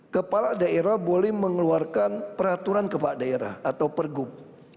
kepala daerah boleh mengeluarkan peraturan kepala daerah atau pergub